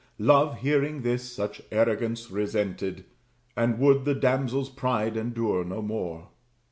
Love, hearing this, such arrogance resented, And would the damsel's pride endure no more.